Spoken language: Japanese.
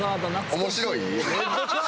面白い？